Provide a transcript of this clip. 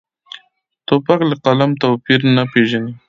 توپک له قلم توپیر نه پېژني.